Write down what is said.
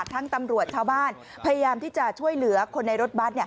ตำรวจชาวบ้านพยายามที่จะช่วยเหลือคนในรถบัตร